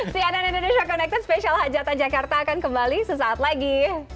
cnn indonesia connected spesial hajatan jakarta akan kembali sesaat lagi